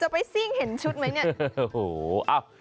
ไปซิ่งเห็นชุดไหมเนี่ย